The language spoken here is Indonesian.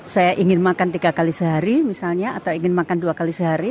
saya ingin makan tiga kali sehari misalnya atau ingin makan dua kali sehari